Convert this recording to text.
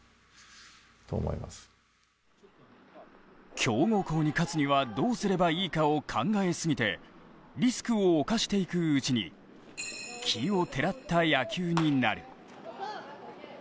強豪校に勝つにはどうすればいいかを考えすぎてリスクを冒していくうちに奇をてらった野球になる。